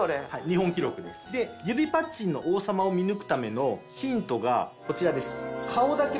日本記録です。で指パッチンの王様を見抜くためのヒントがこちらです。